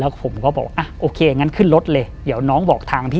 ผมก็บอกอ่ะโอเคงั้นขึ้นรถเลยเดี๋ยวน้องบอกทางพี่